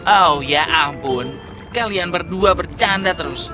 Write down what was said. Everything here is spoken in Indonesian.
oh ya ampun kalian berdua bercanda terus